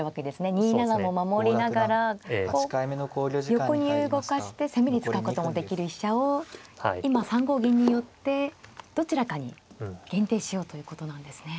２七も守りながらこう横に動かして攻めに使うこともできる飛車を今３五銀によってどちらかに限定しようということなんですね。